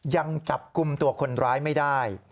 ยังจับกลุ่มตัวคนร้ายไม่ได้